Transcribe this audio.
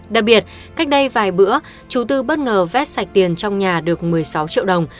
đặc biệt cách đây vài bữa chúng tôi bất ngờ vét sạch tiền trong nhà được một mươi sáu triệu đồng